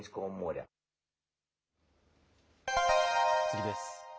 次です。